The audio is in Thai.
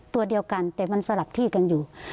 ตัวเดียวกันแต่มันสลับที่กันอยู่